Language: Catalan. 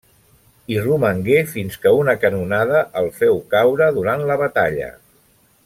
Hi romangué fins que una canonada el féu caure durant la batalla.